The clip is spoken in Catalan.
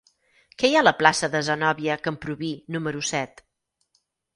Què hi ha a la plaça de Zenòbia Camprubí número set?